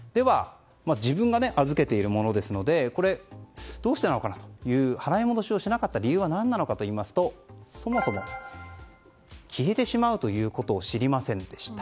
自分が預けているものですのでどうしてなのかなと払い戻しをしなかった理由は何かといいますとそもそも消えてしまうことを知りませんでした。